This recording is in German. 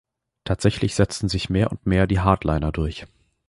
Tatsächlich setzten sich mehr und mehr die Hardliner durch.